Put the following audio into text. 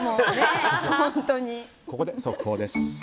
ここで速報です。